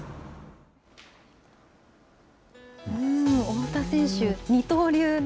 太田選手、二刀流。